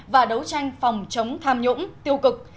và đấu tranh phòng chống tham nhũng tiêu cực